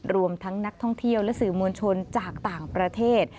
รวมทั้งนักท่องเที่ยวและสื่อมวลชนจากต่างประเทศ